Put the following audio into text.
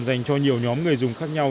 dành cho nhiều nhóm người dùng khác nhau